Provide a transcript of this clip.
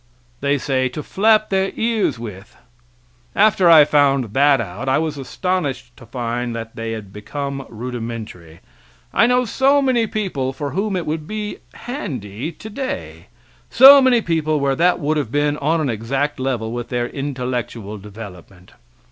They say: "To flap their ears with." After I found that out I was astonished to find that they had become rudimentary; I know so many people for whom it would be handy today, so many people where that would have been on an exact level with their intellectual development.